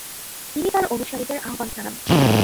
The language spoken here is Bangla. তিনি তার অনুসারীদের আহ্বান জানান।